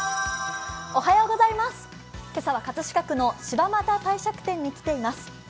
今朝は葛飾区の柴又帝釈天に来ています。